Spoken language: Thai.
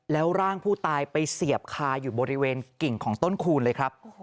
แล้วร่างผู้ตายไปเสียบคาอยู่บริเวณกิ่งของต้นคูณเลยครับ